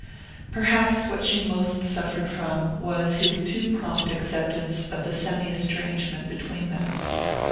Perhaps what she most suffered from was his too prompt acceptance of the semi estrangement between them.